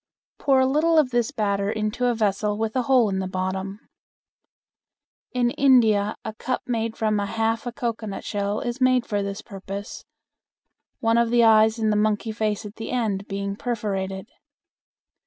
Pour a little of this batter into a vessel with a hole in the bottom. In India a cup made from half a cocoanut shell is made for this purpose, one of the eyes in the monkey face at the end being perforated.